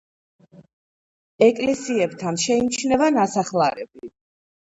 ეკლესიებთან შეიმჩნევა ნასახლარები.